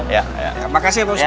ya makasih ya pak ustadz